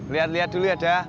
lihat lihat dulu ya dah